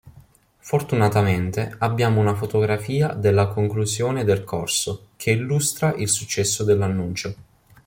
Fortunatamente, abbiamo una fotografia della conclusione del corso, che illustra il successo dell’annuncio.